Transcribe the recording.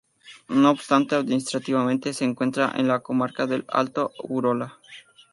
No obstante, administrativamente, se encuentra en la comarca del Alto Urola.